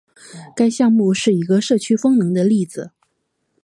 该项目是一个社区风能的例子。